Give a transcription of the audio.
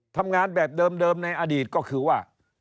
ทำงานแบบเดิมในอดีตก็คือว่า